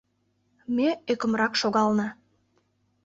Ме ӧкымрак шогална.